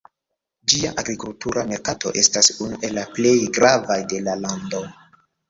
Ĝia agrikultura merkato estas unu el la plej gravaj de la lando.